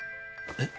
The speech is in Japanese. えっ？